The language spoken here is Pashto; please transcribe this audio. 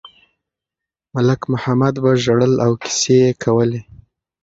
ملک محمد به ژړل او کیسې یې کولې.